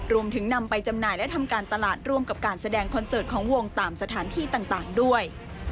นำไปจำหน่ายและทำการตลาดร่วมกับการแสดงคอนเสิร์ตของวงตามสถานที่ต่างด้วย